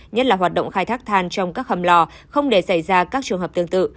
nhất là hoạt động khai thác than trong các hầm lò không để xảy ra các trường hợp tương tự